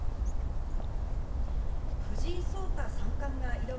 藤井聡太三冠が挑む